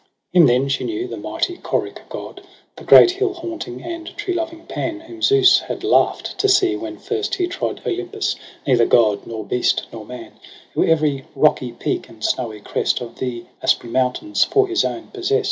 H Him then she knew the mighty choric God, The great hill haunting and tree loving Pan ; Whom Zeus had laught to see when first he trod Olympus, neither god nor beast nor man : Who every rocky peak and snowy crest Of the Aspran mountains for his own possest.